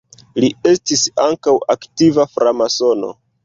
Li estis ankaŭ aktiva framasono.